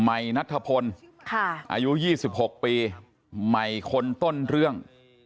ไหมนัทพลค่ะอายุ๒๖ปีไหมคนต้นเรื่อง